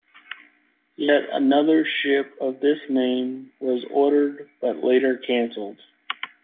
Yet another ship of this name was ordered but later cancelled.